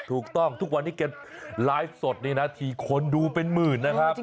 ทุกวันนี้แกไลฟ์สดนี่นะทีคนดูเป็นหมื่นนะครับ